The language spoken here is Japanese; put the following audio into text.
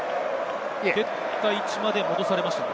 蹴った位置まで戻されましたか。